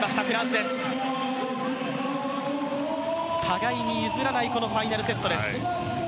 互いに譲らないファイナルセットです。